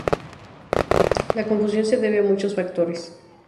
La confusión se debe a muchos factores.